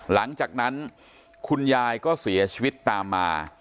หลังจากนั้นคุณยายก็เสียชีวิตตามมา